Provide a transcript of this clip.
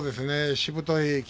しぶとい霧